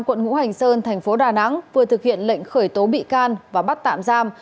quận ngũ hành sơn thành phố đà nẵng vừa thực hiện lệnh khởi tố bị can và bắt tạm giam